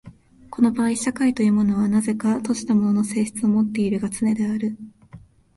この場合社会というのは何等か閉じたものの性質をもっているのがつねである。